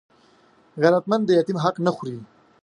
غیرتمند د یتیم حق نه خوړوي